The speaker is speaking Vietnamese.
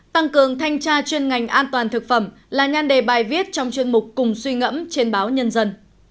tăng cường thanh tra chuyên ngành an toàn thực phẩm là nhan đề bài viết trong chuyên mục cùng suy ngẫm trên báo nhân dân